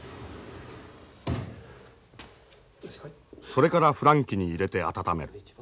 それから孵卵器に入れて温める。